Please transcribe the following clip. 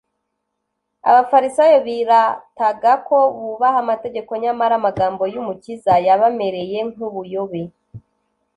Abafarisayo birataga ko bubaha amategeko, nyamara amagambo y'Umukiza yabamereye nk'ubuyobe